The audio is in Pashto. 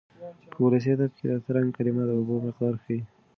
په ولسي ادب کې د ترنګ کلمه د اوبو مقدار ښيي.